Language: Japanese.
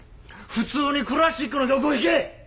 普通にクラシックの曲を弾け！